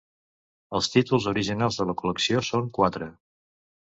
Els títols originals de la col·lecció són quatre: